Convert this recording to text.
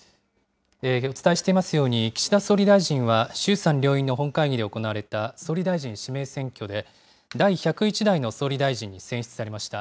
お伝えしていますように、岸田総理大臣は、衆参両院の本会議で行われた総理大臣指名選挙で、第１０１代の総理大臣に選出されました。